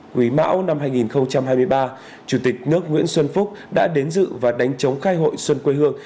quý mão năm hai nghìn hai mươi ba chủ tịch nước nguyễn xuân phúc đã đến dự và đánh chống khai hội xuân quê hương